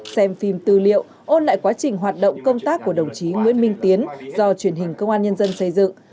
xem phim tư liệu ôn lại quá trình hoạt động công tác của đồng chí nguyễn minh tiến do truyền hình công an nhân dân xây dựng